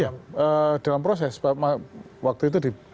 iya dalam proses waktu itu